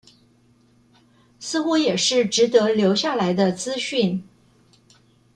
似乎也是值得留下來的資訊